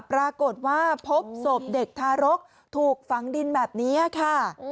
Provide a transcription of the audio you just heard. ปรากฏว่าพบศพเด็กทารกถูกฝังดินแบบนี้ค่ะ